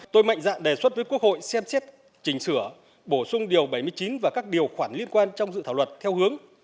tôi mạnh dạn đề xuất với quốc hội xem xét chỉnh sửa bổ sung điều bảy mươi chín và các điều khoản liên quan trong dự thảo luật theo hướng